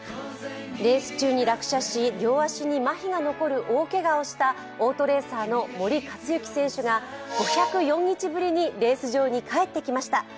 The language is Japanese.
レース中に落車し、両足にまひが残る大けがをしたオートレーサーの森且行選手が５０４日ぶりにレース場に帰ってきました。